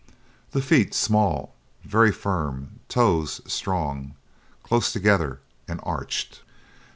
The feet small, very firm; toes strong, close together, and arched.